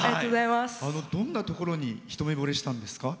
どんなところに一目ぼれしたんですか？